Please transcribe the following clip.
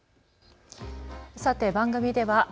さて番組では＃